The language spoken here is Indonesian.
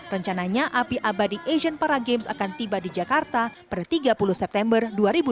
rencananya api abadi asian para games akan tiba di jakarta pada tiga puluh september dua ribu delapan belas